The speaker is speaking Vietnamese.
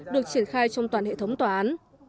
được triển khai trong toàn hệ thống tòa án